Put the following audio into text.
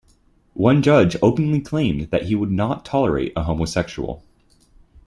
One judge openly claimed that he "would not tolerate a homosexual".